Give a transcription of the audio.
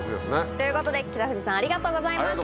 ということで北藤さんありがとうございました。